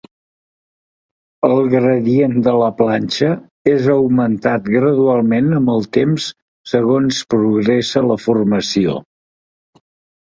El gradient de la planxa és augmentat gradualment amb el temps segons progressa la formació.